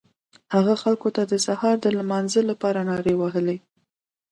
هغه خلکو ته د سهار د لمانځه لپاره نارې وهلې.